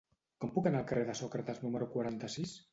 Com puc anar al carrer de Sòcrates número quaranta-sis?